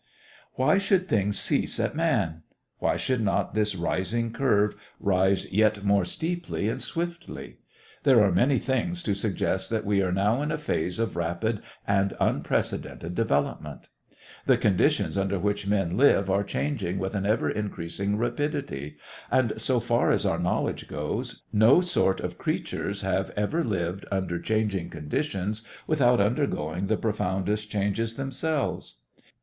Why should things cease at man? Why should not this rising curve rise yet more steeply and swiftly? There are many things to suggest that we are now in a phase of rapid and unprecedented development. The conditions under which men live are changing with an ever increasing rapidity, and, so far as our knowledge goes, no sort of creatures have ever lived under changing conditions without undergoing the profoundest changes themselves.